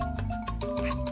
はい。